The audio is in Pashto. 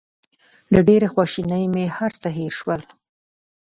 له ډېرې خواشینۍ مې هر څه هېر شول.